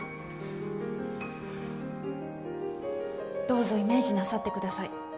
どうぞイメージなさってください